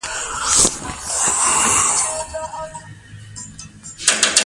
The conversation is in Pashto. ملګری ته وفادار پاتې کېدل یو ارزښت دی